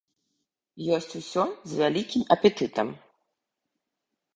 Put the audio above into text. Есць усё з вялікім апетытам.